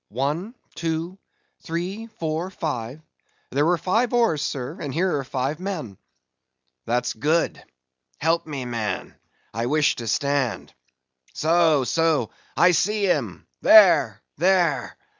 "One, two, three, four, five;—there were five oars, sir, and here are five men." "That's good.—Help me, man; I wish to stand. So, so, I see him! there! there!